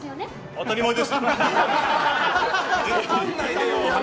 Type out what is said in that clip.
当たり前です！